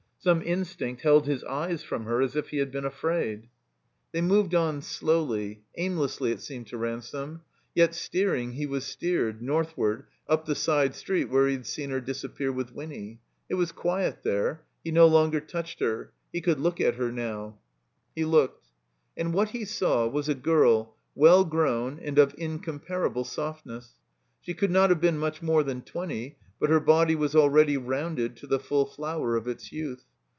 Some instinct held his eyes from her, as if he had been afraid. They moved on slowly, aimlessly it seemed to Ransome; yet steering he was steered, northward, up the side street where he had seen her disappear with Winny. It was quiet there. He no longer touched her. He could look at her now, 72 THE COMBINED MAZE He looked. And what he saw was a girl well grown and of incomparable softness. She could not have been much more than twenty, but her body was al ready rounded to the full flower of its youth.